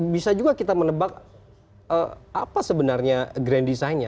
bisa juga kita menebak apa sebenarnya grand design nya